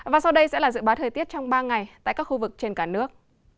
và sau đây sẽ là dự báo thời tiết trong ba ngày tại các khu vực trên cả nước